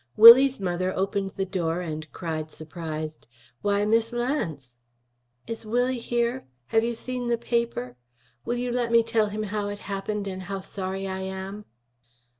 Willie's mother opened the door and cried, surprised, "Why! Miss Lance." "Is Willie here? Have you seen the paper? Will you let me tell him how it happened, and how sorry I am?"